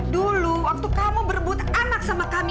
dulu waktu kamu berebut anak sama kami